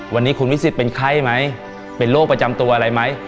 วันนี้คุณวิสิทธิ์เป็นไข้ไหมเป็นโรคประจำตัวอะไรไหม